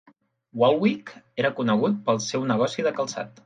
Waalwijk era conegut pel seu negoci de calçat.